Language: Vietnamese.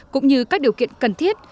cũng như các điều kiện cần thiết